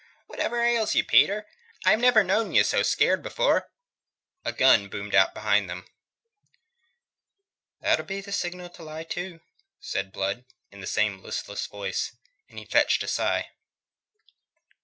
Whatever ails you, Peter? I've never known ye scared afore." A gun boomed out behind them. "That'll be the signal to lie to," said Blood, in the same listless voice; and he fetched a sigh.